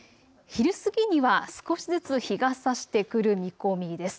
昼過ぎには少しずつ日がさしてくる見込みです。